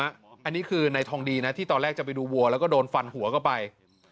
อันนี้คือในทองดีนะที่ตอนแรกจะไปดูวัวแล้วก็โดนฟันหัวเข้าไป